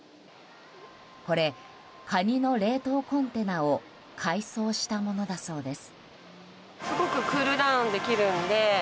これ、カニの冷凍コンテナを改装したものだそうです。